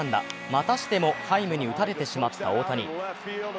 またしてもハイムに打たれてしまった大谷。